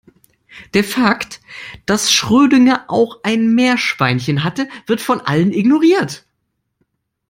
Der Fakt, dass Schrödinger auch ein Meerschweinchen hatte, wird von allen ignoriert.